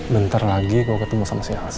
bentar lagi gue ketemu sama si alsa